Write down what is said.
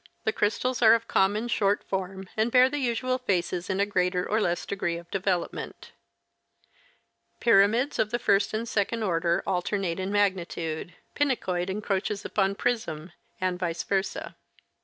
The crystals are of the common short form and bear the usual faces in a greater or less degree of development. Pyramids of the first and second order alternate in magnitude ; pinacoid encroaches upon prism, and vice versa.